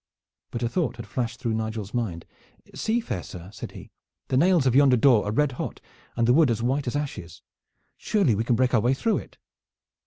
But a thought had flashed through Nigel's mind. "See, fair sir," said he. "The nails of yonder door are red hot and the wood as white as ashes. Surely we can break our way through it."